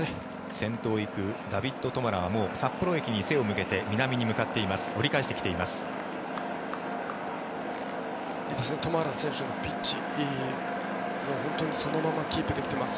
先頭を行くダビッド・トマラはもう札幌駅に背を向けて南に向かっています。